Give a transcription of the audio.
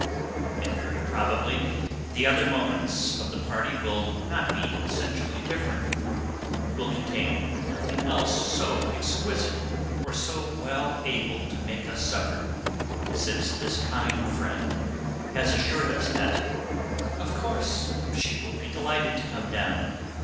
And very probably the other moments of the party will not be essentially different, will contain nothing else so exquisite or so well able to make us suffer, since this kind friend has assured us that "Of course, she will be delighted to come down!